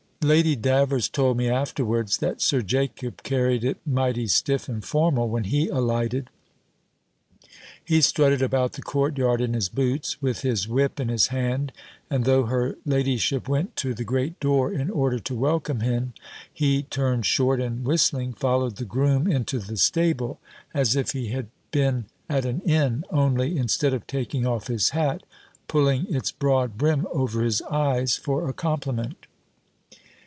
Lady Davers told me afterwards, that Sir Jacob carried it mighty stiff and formal when he alighted. He strutted about the court yard in his boots, with his whip in his hand; and though her ladyship went to the great door, in order to welcome him, he turned short, and, whistling, followed the groom into the stable, as if he had been at an inn, only, instead of taking off his hat, pulling its broad brim over his eyes, for a compliment.